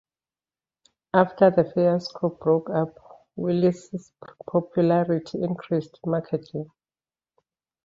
After the Fiasco broke up, Willis's popularity increased markedly.